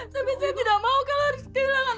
tapi saya tidak mau kalau harus kehilangan